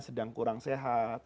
sedang kurang sehat